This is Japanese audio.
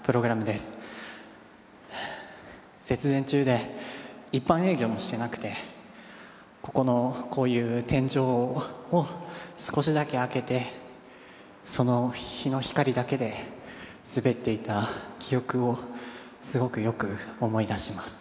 節電中で一般営業もしてなくてここのこういう天井を少しだけ開けてその日の光だけで滑っていた記憶をすごくよく思い出します。